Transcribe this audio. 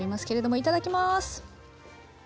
いただきます！